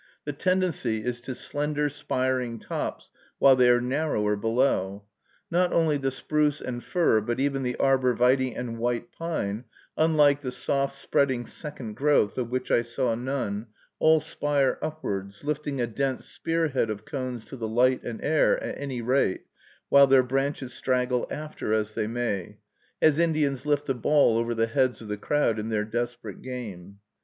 The tendency is to slender, spiring tops, while they are narrower below. Not only the spruce and fir, but even the arbor vitæ and white pine, unlike the soft, spreading second growth, of which I saw none, all spire upwards, lifting a dense spearhead of cones to the light and air, at any rate, while their branches straggle after as they may; as Indians lift the ball over the heads of the crowd in their desperate game.